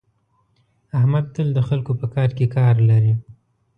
احمد تل د خلکو په کار کې کار لري.